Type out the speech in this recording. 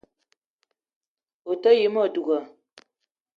O te yi ma douga